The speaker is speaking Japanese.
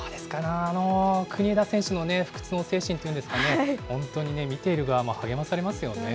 あの国枝選手の不屈の精神というんですかね、本当にね、見ている側も励まされますよね。